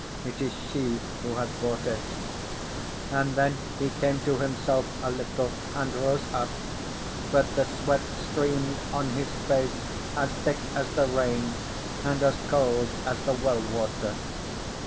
"It is she who has bought it." And then he came to himself a little and rose up; but the sweat streamed on his face as thick as the rain and as cold as the well water.